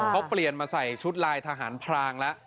เขาเปลี่ยนมาใส่ชุดลายทหารพรางแล้ว